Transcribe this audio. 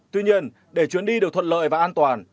tuy nhiên để chuyến đi được thuận lợi và an toàn